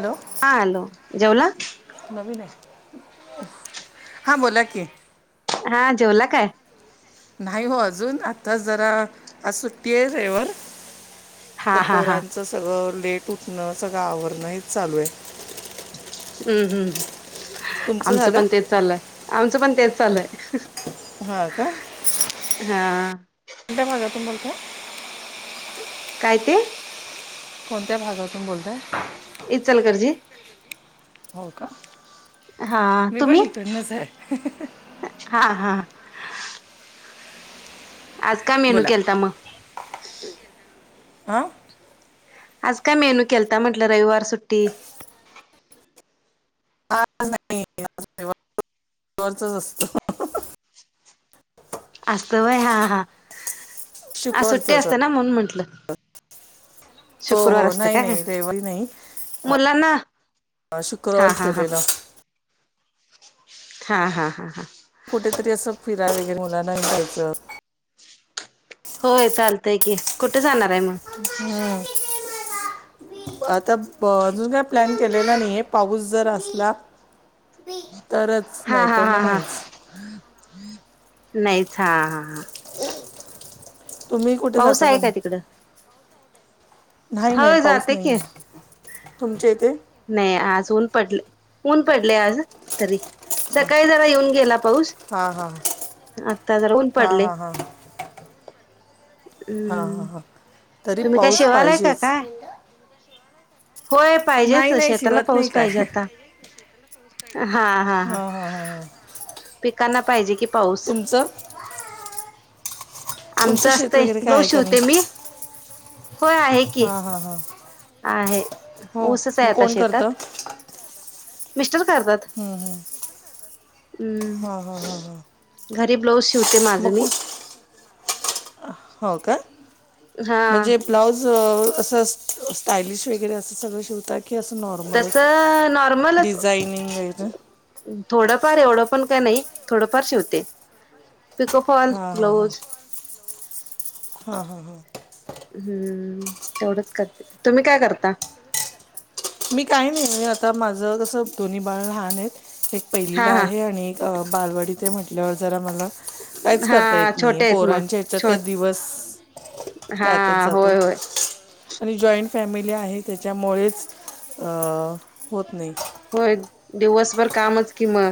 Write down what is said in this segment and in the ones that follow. Hello! हा hello जेवला नवीन आहे [unintelligible] हा बोला कि हा जेवला काय? नाही हो अजून आता जरा आज सुट्टी आहे रविवार! तर हा हा हा पोरांचं सगळं लेट उठणं सगळं आवरणं हेच चालू आहे. हम्म -हम्म तुमचं आमचं झालं पण तेच चाललंय आमचं पण तेच चालय [unintelligible] हा होय हा काय कोणता त [unintelligible] काय ते कोणत्या भागातून बोलताय! इचलकरंजी! हो का हा मी तुम्ही पण इकडनच आहे. हा -हा आज काय मेनू बोला केलता मग आं! आज काय मेनू केलता म्हटलं रविवार सुट्टी रविवारच असत. असत होय हा हा. आज सुट्टी शुक्रवारचं असं असते ना म्हणून म्हंटल हो शुक्रवार हो असत नाही काय नाही रविवारी मुलांना हा शुक्रवार हा हा [unintelligible] हा हा हा हा कुठेतरी असं फिराय वगैरे मुलांना न्यायचं होय चालतंय की कुठ जाणार आहे मग हम्म. आता अह अजून काय प्लॅन केलेला नाहीए पाऊस जर असला तर हा नाही हा मग हा हा नाहीच नाहीच हा हा हा तुम्ही कुठे पाऊस जाता का आहे नाही? तिकडं नाही नाही हो पाऊस जाते की नाहीए तुमच्या इथे? नाही आज ऊन पडले, ऊन पडले आज तरी सकाळी जरा येऊन गेला पाऊस हां हां आत्ता जरा ऊन हां पडलंय हां हां हा हा हा तरी तुम्ही काय पाऊस शेवालाय का पाहिजेच. काय होय नाही पाहिजेच नाही शेताला शिवत नाही पाऊस काय पाहिजे हां आता हा हा हा हां हां हां पिकांना पाहिजे कि तुमचं? तुमचं आमचं शेत असतंय वगैरे काय ब्लाऊज आहे का नाही शिवते मी. होय आहे की हां हां हां आहे. हो ऊसच आहे मग आता कोण करतं शेतात मिस्टर काढतात हम्म हां हां हां हां घरी ब्लाऊज शिवते मग माझं को- मी हो का हा म्हणजे ब्लाऊज अह असं स्टायलिश वगैरे असं सगळं शिवता की की अस तस नॉर्मलच नॉर्मलच डिझायनिंग वगैरे थोडंफार एवढं पण काय नाही, थोडंफार शिवते पिको फॉल, ब्लाऊज हा हा हा हम्म तेवढंच करते. तुम्ही काय करता? मी काही नाही म्हणजे आता माझं कसं दोन्ही बाळ लहान आहेत एक हा पहिलीला हा आहे आणि एक अह बालवडीत आहे म्हटल्यावर जरा मला काहीच करता हा येत नाहीए, छोटे आहेत मग पोरांच्या ह्याच्यात छोट दिवस हा त्यातच होय जातो होय. आणि जॉईंट फॅमिली आहे त्याच्यामुळेच अह होत नाही. होय दिवसभर कामच कि म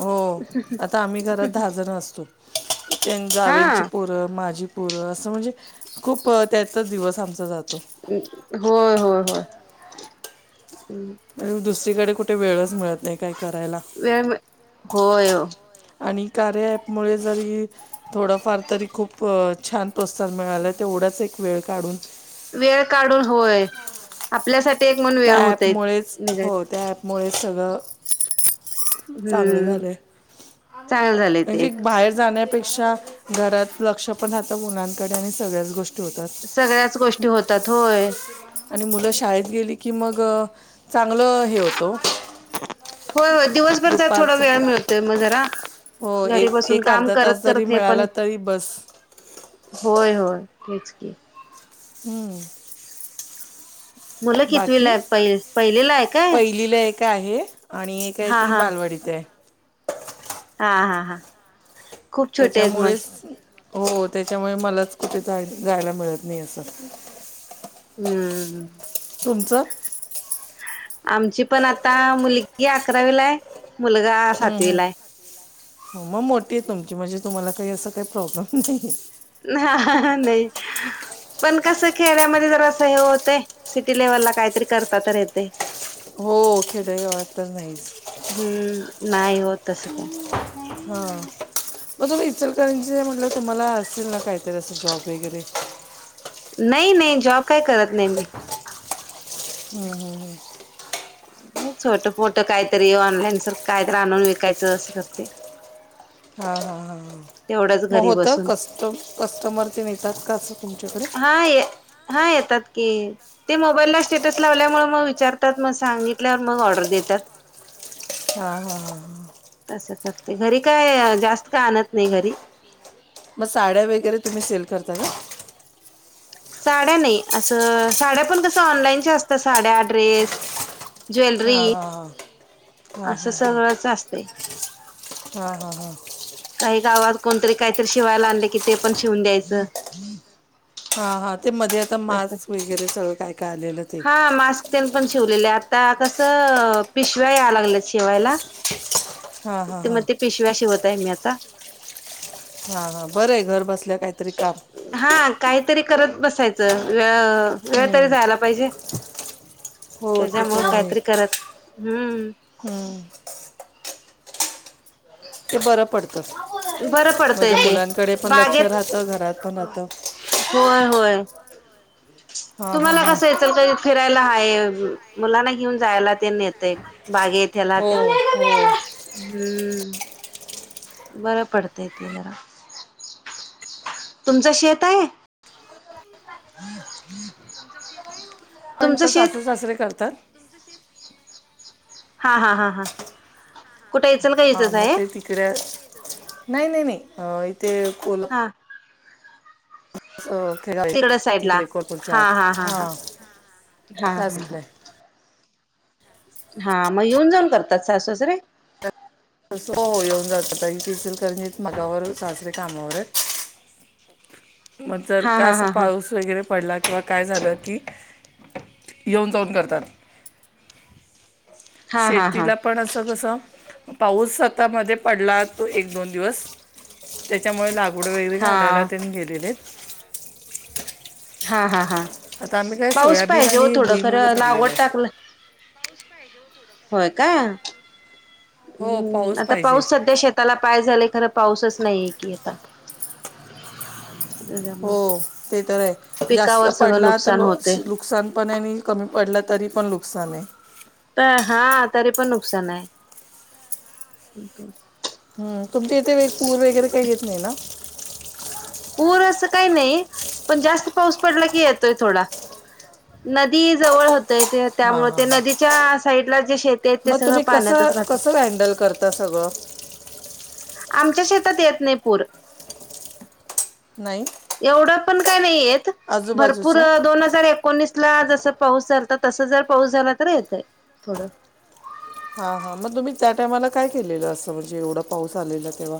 हो, आता आम्ही घरात दहा जण असतो, तीन हा जावेची पोरं, माझी पोरं असं म्हणजे खूप त्यातच दिवस आमचा जातो. अम होय होय होय, अम अ दुसरीकडे कुठे वेळच मिळत नाही काय करायला वेळ मी, होय ओ आणि कार्या ॲपमुळे जरी थोडंफार तरी खूप छान अह प्रोत्साहन मिळालय तेवढाच एक वेळ काढून वेळ काढून होय आपल्यासाठी एकम्हणून वेळ होतय निघायच मुळे सगळं खूप चांगलं हम्म झालंय चांगलं झालंय ते म्हणजे एक बाहेर जाण्या पेक्षा घरात लक्ष पण राहतं मुलांकडे आणि सगळ्याच गोष्टी होतात सगळ्याच गोष्टी होतात होय. आणि मुलं शाळेत गेली की मग चांगलं हे होतो. होय होय दिवसभर थोडा दुपारचं वेळ मिळतोय मग जरा. हो एक घरी बसून एक काम अर्धा तास करत जरी करत हे मिळाला पण तरी बस होय होय तेच की हम्म मुलं कितवीला बाकी आहेत पहि पहिलीला आहे काय पहिलीला एक आहे आणि एक आहे हा ती हा बालवडीत आहे. हा हा हां त्याच्यामुळेच हो त्याच्यामुळे मलाच कुठे जाय जायला मिळत. नाही असं हम्म तुमचं आमची पण आता मुलगी अकरावीलाय मुलगा हम्म, हम्म. सातवीला आहे. हो मग मोठी आहे तुमची म्हणजे तुम्हाला काही असं काही प्रॉब्लेम नाहीय. हा नाही पण कसं खेड्यामध्ये जरा असं हे होतय सिटी लेव्हलला काहीतरी करता तर येतय. हो खेडेगावात तर नाहीच. हम्म नाही होत तस. हा मग तुम्ही इचलकरांचे म्हटलं तुम्हाला असेल ना काहीतरी असं जॉब वगैरे. नाही नाही जॉब काय करत नाही मी. हम्म हम्म हेच, छोटं फोट काहीतरी ऑनलाईन सारख कायतरी आणून विकायचं असं करते. हां हां हां तेवढंच मग घरी होतं बसून कस्ट कस्टमर ते नेतात का? असं तुमच्याकडे हा ये हा येतात की. ते मोबाईलला स्टेटस लावल्यामुळे मग विचारतात मग सांगितल्यावर मग ऑर्डर देतात. हा हा हा हां तसं करते घरी काय जास्त का आणत नाही घरी. मग साड्या वगैरे तुम्ही सेल करता का? साड्या नाही. असं, साड्या पण कसं ऑनलाईनच्या असतात. साड्या ड्रेस ज्वेलरी, हां असं सगळंच असते. हा हा हा... काही गावात, कोणतरी, काहीतरी, शिवायला आणले, की ते पण शिवून द्यायचं. हा, हा, ते मध्ये आता तस मास्क वगैरे सगळं काय काय आलेलं ते हा मास्क पण शिवलेले. आता कसं पिशव्या या लागलं शिवायला. हा हा ते हा मग, ते पिशव्या शिवत आहे. मी आता. हा हा बरं आहे, घर बसल्या काहीतरी काम. हा काहीतरी करत बसायचं, वेळ वेळ तरी जायला पाहिजे. हो ते तर त्याच्यामुळे आहे काहीतरी करत, हम्म हम्म.. ते बरं पडतं. बरं पडतंय म्हणजे ते मुलांकडे पण लक्ष बागेत राहतं घरात पण राहतं. होय, होय, हा हा तुम्हाला हा कसं याचल का फिरायला हाय अजून, मुलांना घेऊन जायला ते येतय बागेत. त्याला हो ते हो बरं पडतं आहे, ते जरा तुमचं शेत आहे. [inaudible] पण तर शेत सासु सासरे करतात. हा हा हा हां हा, मग ते तिकडे, नाही, नाही, नाही, इथे कोल हां खेड तिकड साईडला तिकडे कोलपूरच्या आत हा हा काय हा सुकलंय [unintelligible] हा मग येऊन जाऊन करतात, सासु-सासरे. [unintelligible] तस हो हो, येऊन-जाऊन करतात. इथे इचलकरंजीत माझ्या बरोबर सासरे कामावर आहेत. मग जर हा का हा हा हा पाऊस वगैरे पडला किंवा काय झालं की, येऊन-जाऊन करतात. हा हा हा शेतीला पण, असं कसं? [unintelligible] पाऊस आता मध्ये पडला, तो एक-दोन दिवस. त्याच्यामुळे लाग एढं वेगळे काायला हा त्यांनी गेलेले आहेत हा, हा, हा.. आता आम्ही काय पाऊस सोयाबीन पाहिजे हो. आणि थोडं खर, लागवड टाकलं पाऊस पाहिजे हो थोडं, [unintelligible] होय काय, हो हम्म.. आता पाहिजे पाऊस सध्या शेत त्याला काय झालंय खरं, पाऊसच नाहीये की आता. [unintelligible] त्याच्यामुळं हो, ते तर आहे. जास्त पिकावर सगळं पडला तर नुकसान ल होते नुकसान पण, कमी पडला तरी पण नुकसान आहे. [unintelligible] हा, तरी पण नुकसान आहे. हम, तुमच्या इथे पूर वगैरे काही येत नाही ना? [unintelligible] पूर असं काही नाही, पण जास्त पाऊस पडला की येतोय थोडा. नदी जवळ होतय ते, हां त्यामुळे हां ते हां नदीच्या साईडला जे शेत मग तुम्ही कसं कसं हँडल करता सगळं? आमच्या शेतात येत नाही पूर [unintelligible] नाही [unintelligible] एवढं पण काय नाहीेत भरपूर आजूबाजूच्या दोन हजार एकोणीस ला जस पाऊस चालत तस जर पाऊस झाला तर येतय थोडं हा हा मग तुम्ही त्या टायमाला काय केलेलं असं म्हणजे एवढा पाऊस आलेला तेव्हा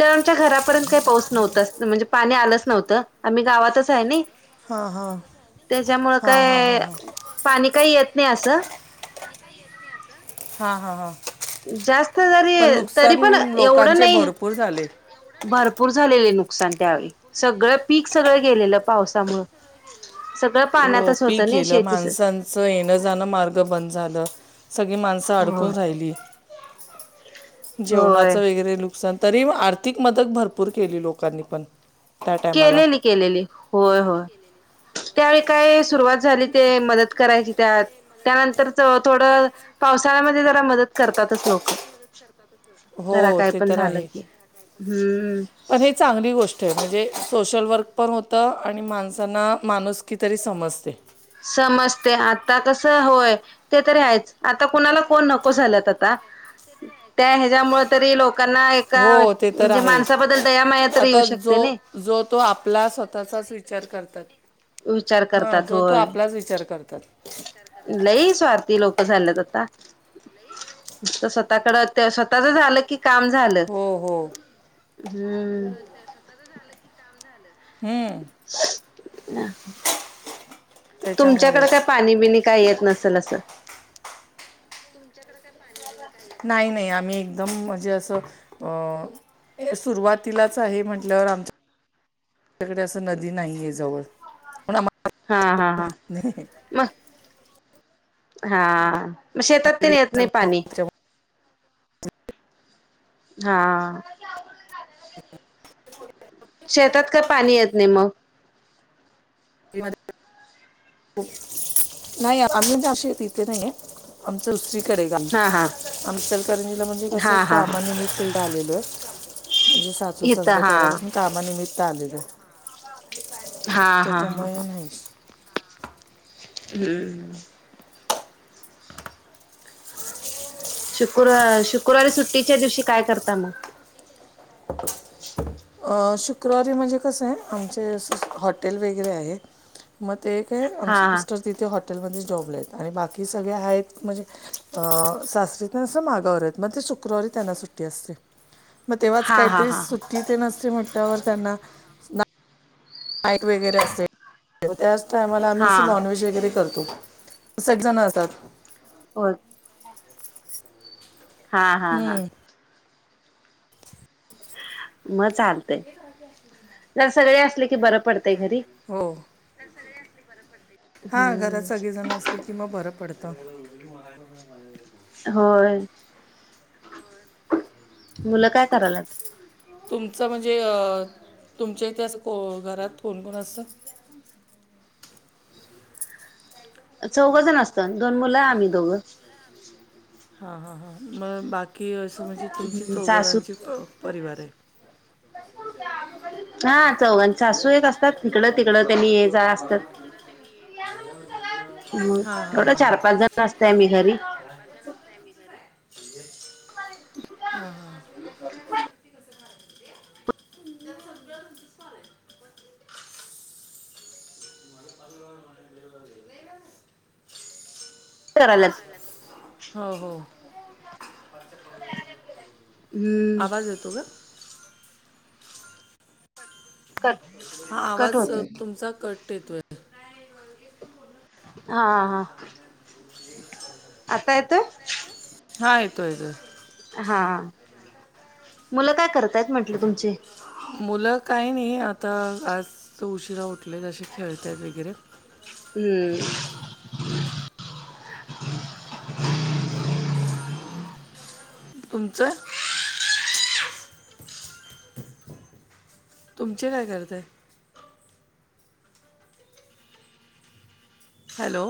तर आमच्या घरापर्यंत काही पाऊस नव्हताच म्हणजे, पाणी आलंच नव्हतं. आम्ही गावातच आहे ना. हा हा त्याच्यामुळ हा हा हा काय, हा पाणी काही येत नाही असं. हा, हा, हा. [unintelligible] जास्त जरी, पण तरी नुकसान पण, एवढं लोकांचे नाही. भरपूर झाले भरपूर झालेले नुकसान. त्यावेळी सगळं पीक, सगळं गेलेलं पावसामुळं. सगळं पाण्यातच होतं ना, शेती [unintelligible] च येणं जाणं मार्ग बंद झालं, सगळी माणसं होय अडकून राहिली. होय जेवणाचं वगैरे नुकसान तरी आर्थिक मदत भरपूर केली लोकांनी पण [unintelligible] केलेली केलेली होय होय त्यावेळी काय सुरुवात झाली ते मदत करायची त्यात [unintelligible] त्यानंतर थोडं पावसाळ्यामध्ये जरा मदत करतातच लोक जरा हो काय ते पण तर झालं आहे की हम्म पण हे चांगली गोष्ट आहे म्हणजे सोशल वर्क पण होतं आणि माणसांना माणूस की तरी समजते [unintelligible] समजते आता कसं होय [unintelligible] ते तरी आहेच आता कुणाला फन नको झालात आता त्या ह्याच्यामुळे तरी लोक [unintelligible] लोकांना एका हो ते तर म्हणजे आहे माणसाबद्दल दया माया तर येऊ आता शकते जो नाही जो तो आपला स्वतःचाच विचार करतात [unintelligible] विचार हा करतात जो तो होय आपलाच विचार करतात लई स्वार्थी लोक झालेत आता [unintelligible] तर स्वतः कड ते स्वतःच झालं की [unintelligible] काम झालं हो हम्म [unintelligible] स्वतः झालं कि काम झालं [unintelligible] तुमच्याकडे त्याच्यामुळेच काय पाणी बिनी काय येत नसेल असं [unintelligible] नाही नाही आम्ही एकदम म्हणजे असं अ सुरुवातीलाच आहे म्हटल्यावर आमच [unintelligible] नदी नाही जवळ आ [unintelligible] हा हा हा म हा मग शेतात ते नाही येत नाही पाणी हा [unintelligible] शेतात का पाणी येत नाही मग [unintelligible] नाही आम्ही अशी इथे नाही आहे आमच उसरीकडे गम हा हा आमचलकरंजीला म्हणजे कसं हा हा हा कामानिमित्त इ आलेलो आहे. म्हणजे सासू इथं सासरे हा पहिल्यापासून कामानिमित्त आलेले. हा हा हा हा. हम्म. शुक्र शुक्रवारी सुट्टीच्या दिवशी काय करता मग अ शुक्रवारी म्हणजे कसं आहे आमचे हॉटेल वगैरे आहे. मग ते एक आहे हा आमचे मिस्टर तिथे हॉटेलमध्ये जॉबले आहेत आणि बाकी सगळे आहेत म्हणजे सासरीत असं मागावर आहेत मग ते शुक्रवारी त्यांना सुट्टी असते. मग तेव्हाच हा हा हा काहीतरी हा सुट्टी ते नसते म्हटल्यावर त्यांना ट वगैरे असे त्याच टायमाला आम्ही अस हा नॉनव्हेज वगैरे करतो. सठ जण असतात. हो. हा हा हा. हं, मग चालतय जर सगळे असले की बरं पडतय घरी. हो हा घरात हम्म सगळीजण असली कि मग बरं पडतं. होय मुलं काय करालात. तुमच म्हणजे अ तुमच्या इथ घरात कोण कोण असतात. चौघ जण असतं दोन मुलं आम्ही दोघं. हां हां हां मग बाकी असं म्हणजे तुमची हम्म सासू चौघजणची प परिवार आहे. हा चवघण सासू एक असत. ड तिकड त्यांनीत हां चार पाच नस्तय मी खरी नय. [unintelligible] मला प करायलाच म. हो हो. हम्म आवाज येतो ग. कट हा कट आवाज होतोय तुमचा कट येतोय. हा हा आता येतोय. हा येतोयतो. हा मुलं काय करतायत म्हंटलं तुमचे. मुलं काही नाही आता आज उशिरा उठले जे खेळतत वगैरे. हम्म. तुमचं. तुमचे काय करतय. हॅलो.